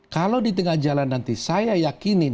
kalau di tengah jalan nanti saya yakinin